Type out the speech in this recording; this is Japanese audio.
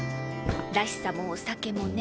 「らしさ」もお酒もね。